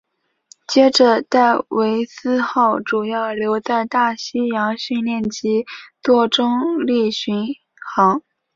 接着戴维斯号主要留在大西洋训练及作中立巡航。